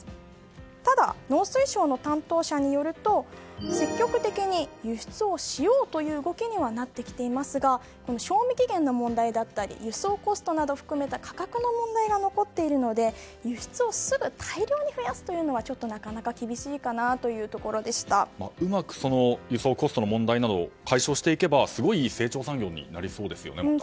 ただ農水省の担当者によると積極的に輸出をしようという動きにはなってきていますが賞味期限の問題だったり輸送コストなどを含めた価格の問題が残っているので輸出をすぐ大量に増やすのはなかなか厳しいかなうまく輸送コストの問題などを解消していけばすごいいい成長産業になりそうですよね。